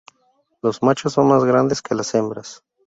Los machos son más grandes que las hembras.